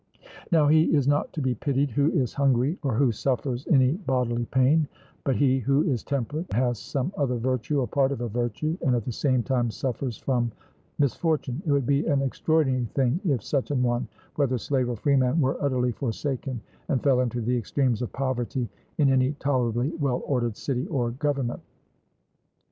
Now he is not to be pitied who is hungry, or who suffers any bodily pain, but he who is temperate, or has some other virtue, or part of a virtue, and at the same time suffers from misfortune; it would be an extraordinary thing if such an one, whether slave or freeman, were utterly forsaken and fell into the extremes of poverty in any tolerably well ordered city or government.